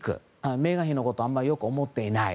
メーガン妃のことをあまりよく思っていない。